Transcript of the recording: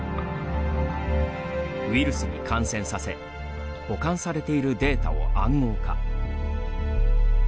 ウイルスに感染させ保管されているデータを暗号化。